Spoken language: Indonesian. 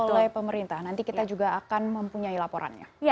oleh pemerintah nanti kita juga akan mempunyai laporannya